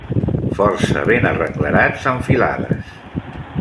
Força ben arrenglerats en filades.